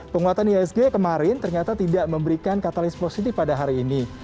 penguatan ihsg kemarin ternyata tidak memberikan katalis positif pada hari ini